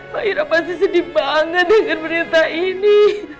pak ira pasti sedih banget denger berita ini